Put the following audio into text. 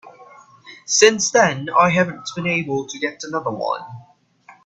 Since then I haven't been able to get another one.